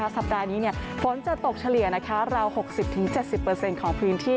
สัปดาห์นี้ฝนจะตกเฉลี่ยราว๖๐๗๐ของพื้นที่